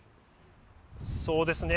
そうですね。